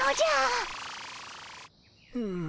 うん。